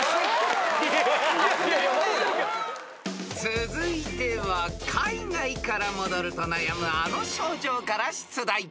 ［続いては海外から戻ると悩むあの症状から出題］